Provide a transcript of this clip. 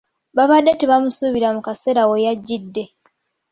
Baabadde tebamusuubira mu kaseera we yajjidde.